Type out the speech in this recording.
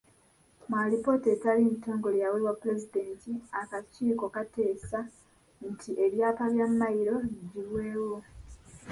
Mu alipoota etali ntongole eyaweebwa Pulezidenti, akakiiko kaateesa nti ebyapa bya Mmayiro biggyibwewo.